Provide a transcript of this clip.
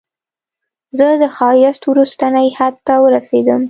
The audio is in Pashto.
زه د ښایست وروستني حد ته ورسیدم